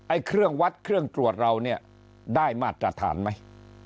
เครื่องวัดเครื่องตรวจเราเนี่ยได้มาตรฐานไหม